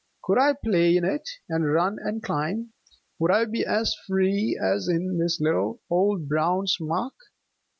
"Could I play in it, and run and climb? Would I be as free as in this little old brown smock?"